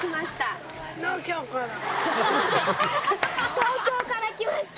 東京から来ました。